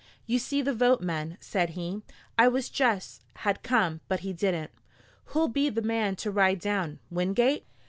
"You see the vote, men," said he. "I wish Jess had come, but he didn't. Who'll be the man to ride down? Wingate?"